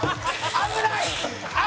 危ない！